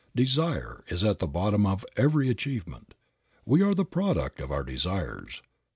Desire is at the bottom of every achievement. We are the product of our desires.